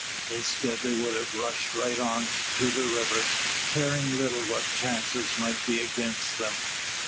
Instead, they would have rushed right on to the river, caring little what chances might be against them.